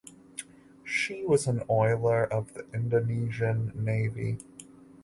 She was an oiler of the Indonesian Navy.